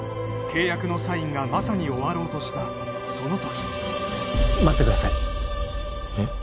契約のサインがまさに終わろうとしたその時待ってくださいえっ？